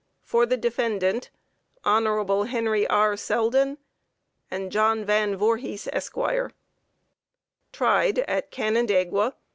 For the Defendant: HON. HENRY R. SELDEN. JOHN VAN VOORHIS, ESQ. Tried at Canandaigua.